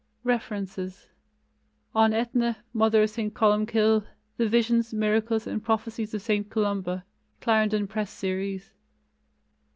REFERENCES: On Ethne, mother of St. Columcille: The Visions, Miracles, and Prophecies of St. Columba (Clarendon Press Series).